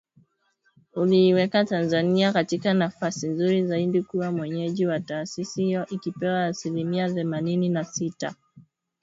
uliiweka Tanzania katika nafasi nzuri zaidi kuwa mwenyeji wa taasisi hiyo ikipewa asilimia themanini na sita.